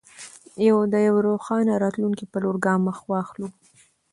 د یوه روښانه راتلونکي په لور ګام واخلو.